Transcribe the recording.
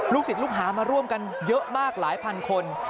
ศิษย์ลูกหามาร่วมกันเยอะมากหลายพันคน